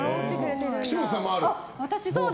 岸本さんもある？